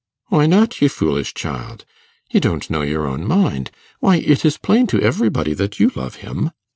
'Why not, you foolish child? You don't know your own mind. Why, it is plain to everybody that you love him.